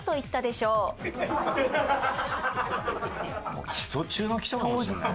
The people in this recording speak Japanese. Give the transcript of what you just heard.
もう基礎中の基礎かもしれない。